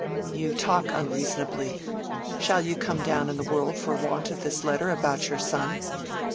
"You talk unreasonably. Shall you come down in the world for want of this letter about your son?"